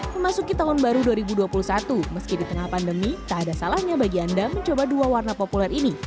memasuki tahun baru dua ribu dua puluh satu meski di tengah pandemi tak ada salahnya bagi anda mencoba dua warna populer ini